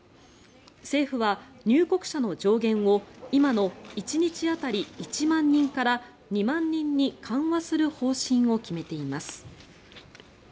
政府は入国者の上限を今の１日当たり１万人から２万人に緩和する方針を決めています。